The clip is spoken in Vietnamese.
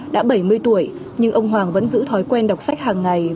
đã bảy mươi tuổi nhưng ông hoàng vẫn giữ thói quen đọc sách hàng ngày